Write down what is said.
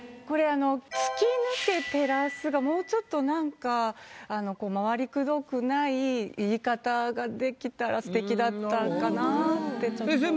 これあの「突き抜け照らす」がもうちょっとなんか回りくどくない言い方ができたら素敵だったかなぁってちょっと。